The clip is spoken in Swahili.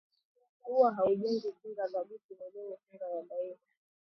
huwa haujengi kinga thabiti mwilini kinga ya daima